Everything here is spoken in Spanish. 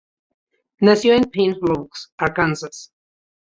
Nació en Pine Bluff, Arkansas.